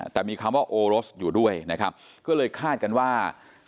แต่มีคำว่าโอรสอยู่ด้วยนะครับก็เลยคาดกันว่า